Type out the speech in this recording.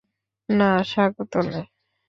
না, স্বাগত নয়।